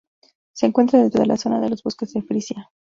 Se encuentra dentro de la zona de los bosques de Frisia.